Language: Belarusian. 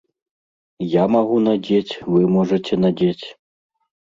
Я магу надзець, вы можаце надзець.